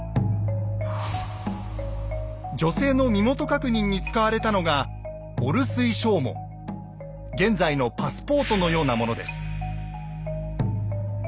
女性の身元確認に使われたのが現在のパスポートのようなものです。